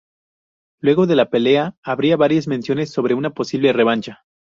Luego de la pelea, habría varías menciones sobre una posible revancha.